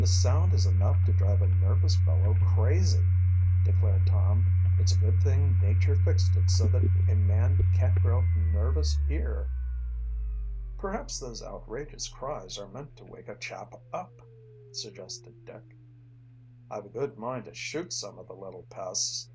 "The sound is enough to drive a nervous fellow crazy," declared Tom. "It's a good thing nature fixed it so that a man can't grow up nervous here." "Perhaps those outrageous cries are meant to wake a chap up," suggested Dick. "I've a good mind to shoot some of the little pests."